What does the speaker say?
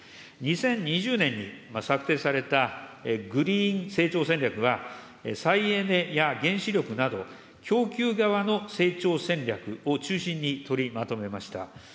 ２０２０年に策定されたグリーン成長戦略は、再エネや原子力など、供給側の成長戦略を中心に取りまとめました。